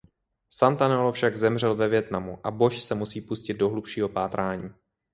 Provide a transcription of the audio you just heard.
Santanello však zemřel ve Vietnamu a Bosch se musí pustit do hlubšího pátrání.